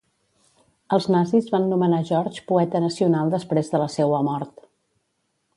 Els nazis van nomenar George poeta nacional després de la seua mort.